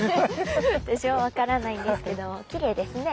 私も分からないんですけどきれいですね